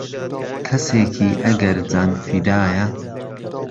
کهسێکی ئهگەر جانفیدایه